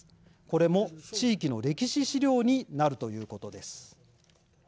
これも地域の歴史資料になるということです。